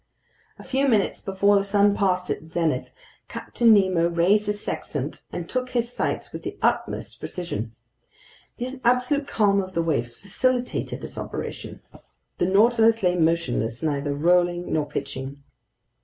A few minutes before the sun passed its zenith, Captain Nemo raised his sextant and took his sights with the utmost precision. The absolute calm of the waves facilitated this operation. The Nautilus lay motionless, neither rolling nor pitching.